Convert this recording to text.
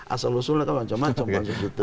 asal usulnya kan macam macam pak agus